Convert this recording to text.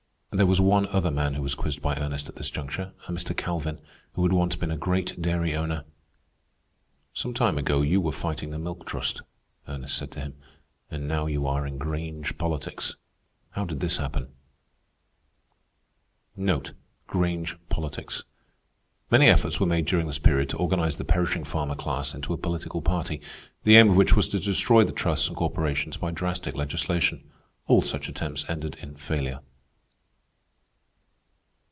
There was one other man who was quizzed by Ernest at this juncture, a Mr. Calvin, who had once been a great dairy owner. "Some time ago you were fighting the Milk Trust," Ernest said to him; "and now you are in Grange politics. How did it happen?" Many efforts were made during this period to organize the perishing farmer class into a political party, the aim of which was to destroy the trusts and corporations by drastic legislation. All such attempts ended in failure.